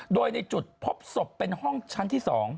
โดยในจุดพบศพเป็นห้องชั้นที่๒